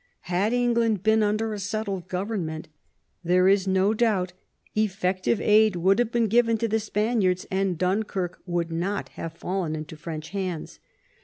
Had England been under a settled government, there is no doubt effective aid would have been given to the Spaniards, and Dunkirk would not have fallen into French hands.